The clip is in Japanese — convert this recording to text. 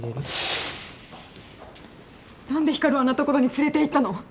何で光をあんな所に連れていったの？